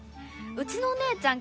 うちのお姉ちゃん